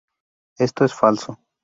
Esto es falso.